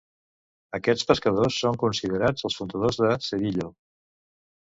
Aquests pescadors són considerats els fundadors de Cedillo.